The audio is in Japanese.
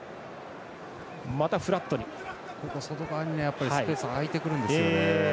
外側にスペース空いてくるんですよね。